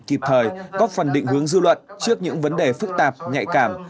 kịp thời có phần định hướng dư luận trước những vấn đề phức tạp nhạy cảm